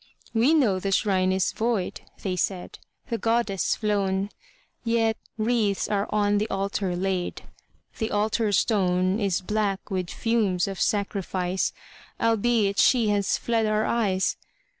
"We know the Shrine is void," they said, "The Goddess flown Yet wreaths are on the Altar laid The Altar Stone Is black with fumes of sacrifice, Albeit She has fled our eyes.